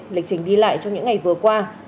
lịch trình đi lại trong những ngày vừa qua